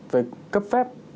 về cấp phép